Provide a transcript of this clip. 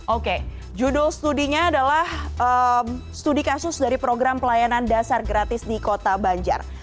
oke judul studinya adalah studi kasus dari program pelayanan dasar gratis di kota banjar